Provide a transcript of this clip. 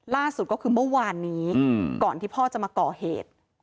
ล่าสุดก็คือเมื่อวานนี้ก่อนที่พ่อจะมาก่อเหตุ